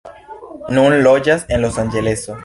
Nun loĝas en Los-Anĝeleso.